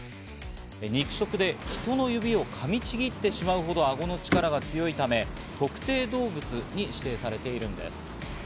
肉食で人の指を噛みちぎってしまうほど顎の力が強いため特定動物に指定されているんです。